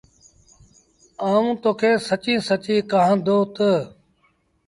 آئوٚنٚ تو کي سچيٚݩ سچيٚݩ ڪهآندو تا